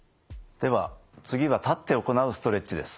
では次は立って行うストレッチです。